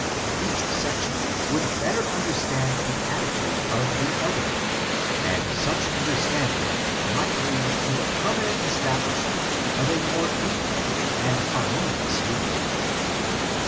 Each section would better under stand the attitude of the other, and such understanding might lead to the permanent establishment of a more equal and harmonious Union.